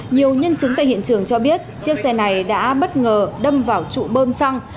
nhiều nhân chứng tại hiện trường cho biết chiếc xe này đã bất ngờ đâm vào trụ bơm xăng